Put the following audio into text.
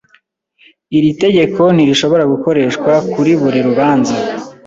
Iri tegeko ntirishobora gukoreshwa kuri buri rubanza.